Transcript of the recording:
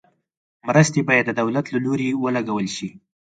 مرستې باید د دولت له لوري ولګول شي.